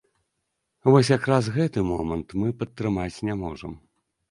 Вось як раз гэты момант мы падтрымаць не можам.